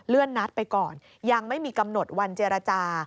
นัดไปก่อนยังไม่มีกำหนดวันเจรจา